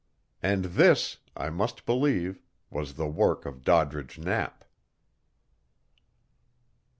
And this, I must believe, was the work of Doddridge Knapp.